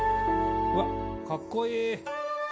うわかっこいい。